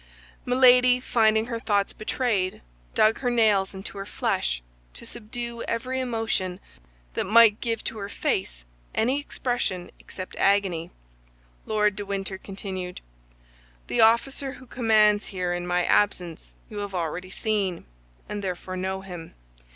Milady, finding her thoughts betrayed, dug her nails into her flesh to subdue every emotion that might give to her face any expression except agony. Lord de Winter continued: "The officer who commands here in my absence you have already seen, and therefore know him.